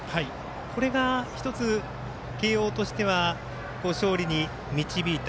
これが１つ、慶応としては勝利に導いた。